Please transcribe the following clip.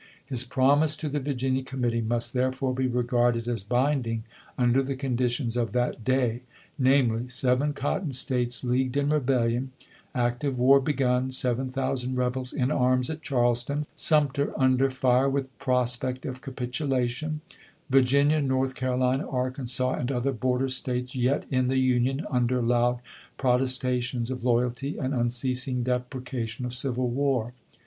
His promise to the Virginia committee must therefore be regarded as binding under the condi tions of that day, namely: seven Cotton States leagued in rebellion ; active war begun ; seven thou sand rebels in arms at Charleston; Sumter under fire with prospect of capitulation ; Virginia, North Carolina, Arkansas, and other border States yet in the Union under loud protestations of loyalty and unceasing deprecation of civil war.